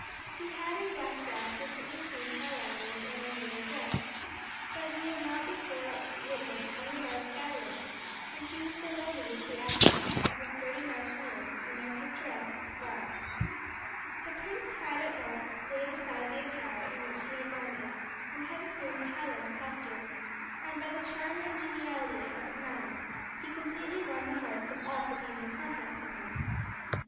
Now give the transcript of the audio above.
He had in Glasgow frequently seen Highlanders in their native dress, but he had not before witnessed any large gathering, and he was delighted with the aspect of the sturdy mountaineers in their picturesque garb. The prince had at once laid aside the attire in which he had landed and had assumed Highland costume, and by the charm and geniality of his manner he completely won the hearts of all who came in contact with him.